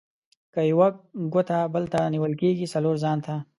که یوه ګوته بل ته نيول کېږي؛ :څلور ځان ته.